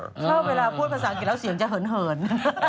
ชอบเวลาพูดภาษาอังกฤษแล้วเสียงจะเหิน